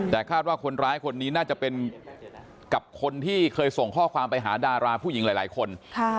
แต่คาดว่าคนร้ายคนนี้น่าจะเป็นกับคนที่เคยส่งข้อความไปหาดาราผู้หญิงหลายคน